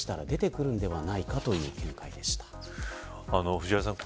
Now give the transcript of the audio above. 藤原さん